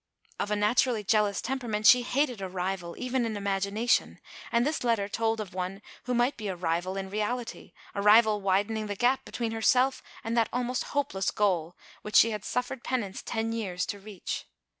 Of a naturally jealous temperament, she hated a rival, even in imagination, and this letter told of one who might be a rival in reality, a rival widening the gap between herself and that almost hopeless goal, which she had suffered penance ten years to reach.